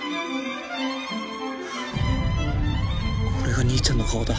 これが兄ちゃんの顔だ。